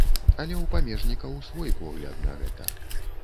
Але ў памежнікаў свой погляд на гэта.